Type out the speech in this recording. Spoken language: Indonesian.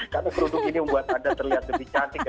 karena kerudung ini membuat anda terlihat lebih cantik